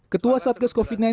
ketua satgas covid sembilan belas